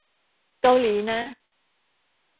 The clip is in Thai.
เกาหลีนะ